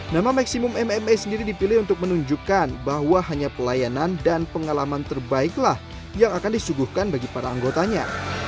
nama maximum mma sendiri dipilih untuk menunjukkan bahwa hanya pelayanan dan pengalaman terbaiklah yang akan disuguhkan bagi para anggotanya